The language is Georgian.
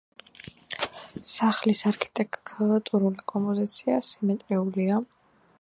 სახლის არქიტექტურული კომპოზიცია სიმეტრიულია.